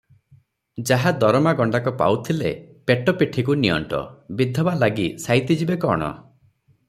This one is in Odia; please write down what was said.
ଯାହା ଦରମା ଗଣ୍ଡାକ ପାଉଥିଲେ, ପେଟ ପିଠିକୁ ନିଅଣ୍ଟ, ବିଧବା ଲାଗି ସାଇତି ଯିବେ କଣ?